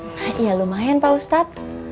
nah ya lumayan pak ustadz